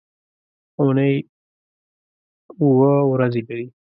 اونۍ اووه ورځې لري.